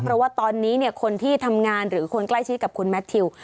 เพราะว่าตอนนี้คนที่ทำงานหรือคนใกล้ชิดกับคุณแมททิว